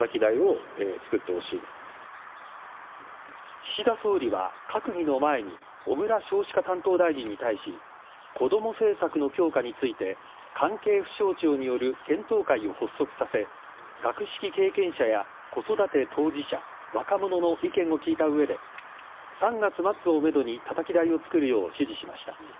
岸田総理は閣議の前に小倉少子化担当大臣に対しこども政策の強化について関係府省庁による検討会を発足させ学識経験者や子育て当事者若者の意見を聞いた上で３月末をめどにたたき台を作るよう指示しました。